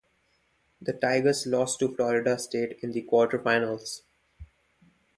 The Tigers lost to Florida State in the Quarterfinals.